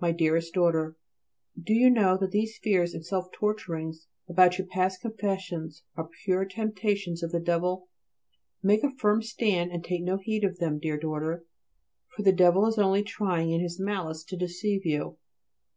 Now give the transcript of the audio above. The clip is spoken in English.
MY DEAREST DAUGHTER, Do you know that these fears and self torturings about your past confessions are pure temptations of the devil? Make a firm stand and take no heed of them, dear daughter, for the devil is only trying in his malice to deceive you.